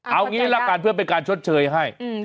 เอางี้ละกันเพื่อเป็นการชดเชยให้